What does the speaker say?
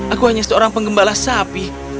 aku hanya seorang penggembala sapi